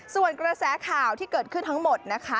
ส่วนกระแสข่าวที่เกิดขึ้นทั้งหมดนะคะ